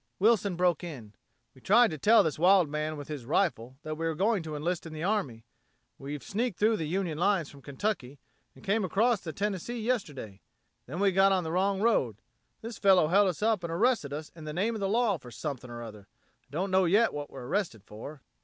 Wilson broke in: "We tried to tell this wild man with his rifle that we were going to enlist in the army. We've sneaked through the Union lines from Kentucky, and came across the Tennessee yesterday. Then we got on the wrong road. This fellow held us up and arrested us in the name of the law for something or other. I don't know yet what we're arrested for."